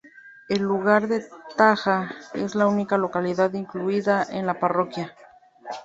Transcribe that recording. El lugar de Taja es la única localidad incluida en la parroquia.